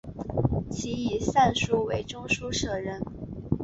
其以善书为中书舍人。